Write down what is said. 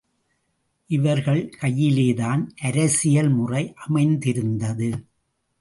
இவர்கள் கையிலேதான் அரசியல் முறை அமைந்திருந்தது.